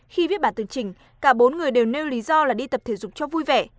khi viết bản tường trình cả bốn người đều nêu lý do là đi tập thể dục cho vui vẻ